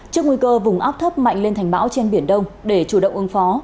trước nguy cơ vùng ấp thấp mạnh lên thành bão trên biển đông để chủ động ưng phó